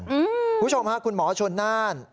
คุณผู้ชมค่ะคุณหมอชนน่าน